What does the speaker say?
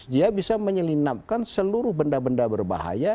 dia bisa menyelinapkan seluruh benda benda berbahaya